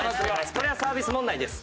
これはサービス問題です。